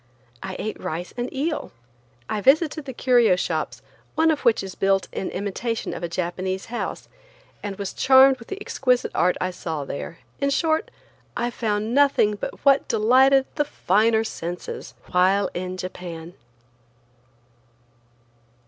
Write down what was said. I ate rice and eel. I visited the curio shops, one of which is built in imitation of a Japanese house, and was charmed with the exquisite art I saw there; in short, I found nothing but what delighted the finer senses while in Japan.